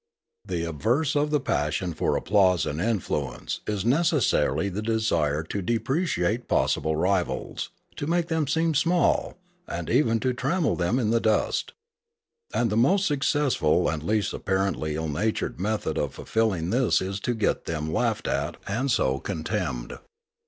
The obverse of the pas sion for applause and influence is necessarily the desire to depreciate possible rivals, to make them seem small, and even to trample them in the dust. And the most successful and least apparently ill natured method of fulfilling this is to get them laughed at and so con temned.